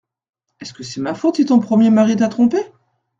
Est-ce que c’est ma faute si ton premier mari t’a trompée ?